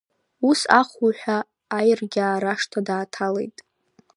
Ус ахуҳәа Аиргьаа рашҭа дааҭалеит.